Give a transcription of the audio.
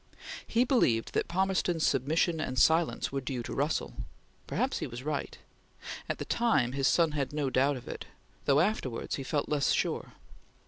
He believed that Palmerston's submission and silence were due to Russell. Perhaps he was right; at the time, his son had no doubt of it, though afterwards he felt less sure.